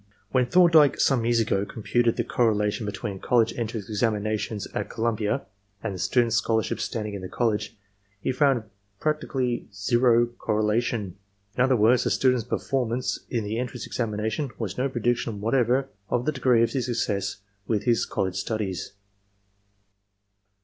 When Thorndike some years ago computed the correlation between college entrance examinations at Columbia and the student's scholarship standing in the college, he found prac 176 ARMY MENTAL TESTS _ tically zero correlation. In other words, the student's perform ance in the entrance examination was no prediction whatever of the degree of his success with his college studies.